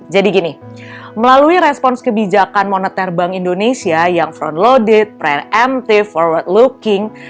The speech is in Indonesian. jadi gini melalui respons kebijakan moneter bank indonesia yang front loaded preemptive forward looking